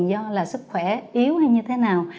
không phải là sức khỏe yếu hay như thế nào